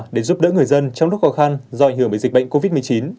để giúp đỡ người dân trong lúc khó khăn do ảnh hưởng bởi dịch bệnh covid một mươi chín